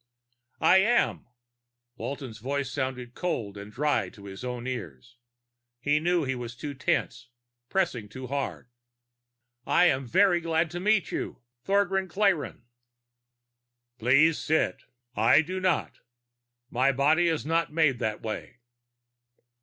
"I am." Walton's voice sounded cold and dry to his own ears. He knew he was too tense, pressing too hard. "I'm very glad to meet you, Thogran Klayrn." "Please sit. I do not. My body is not made that way."